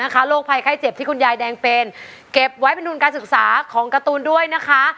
ของการ์ตูนด้วยนะคะ